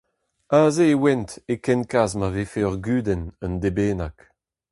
Aze e oant e ken kaz ma vefe ur gudenn un deiz bennak.